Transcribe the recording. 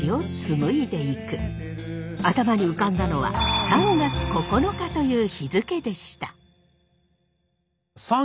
頭に浮かんだのは３月９日という日付でした。